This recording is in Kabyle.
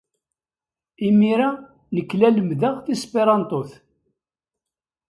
Imir-a, nekk la lemmdeɣ tesperantot.